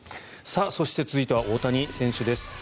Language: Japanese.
そして続いては大谷選手です。